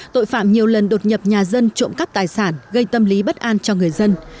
tội phạm nhiều lần đột nhập nhà dân trộm cắp tài sản gây tâm lý bất an cho người dân